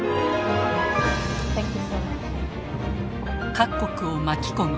各国を巻き込み